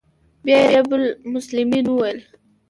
بيا يې رب المسلمين وويل.